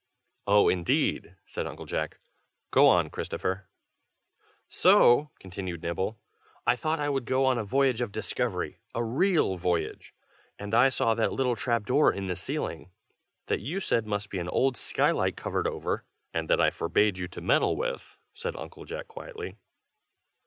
"Oh! indeed!" said Uncle Jack. "Go on, Christopher!" "So," continued Nibble, "I thought I would go on a voyage of discovery, a real voyage. And I saw that little trap door in the ceiling, that you said must be an old sky light covered over " "And that I forbade you to meddle with," said Uncle Jack, quietly.